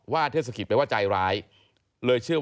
ถ้าเขาถูกจับคุณอย่าลืม